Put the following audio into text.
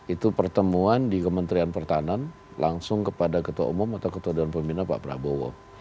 itu pertemuan di kementerian pertahanan langsung kepada ketua umum atau ketua dewan pembina pak prabowo